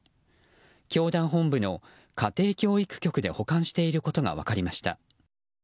教団本部の家庭教育局で保管していることが分かりました。